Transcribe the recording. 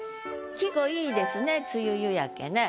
季語いいですね「梅雨夕焼」ね。